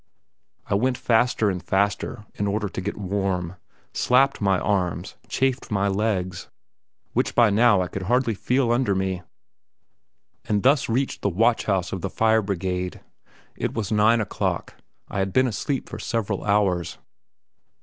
I went faster and faster in order to get warm, slapped my arms, chafed my legs which by now I could hardly feel under me and thus reached the watch house of the fire brigade. It was nine o'clock; I had been asleep for several hours.